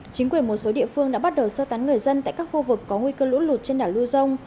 chính quyền một số địa phương đã bắt đầu sơ tán người dân tại các khu vực có nguy cơ lũ lụt trên đảo lưu dông